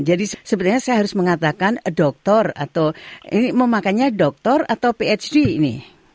jadi sebetulnya saya harus mengatakan dokter atau ini memakannya dokter atau phd ini